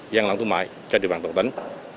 giang lận thương mại cho địa bàn tổng tính